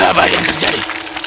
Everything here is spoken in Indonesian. apa yang terjadi